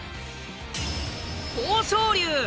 豊昇龍。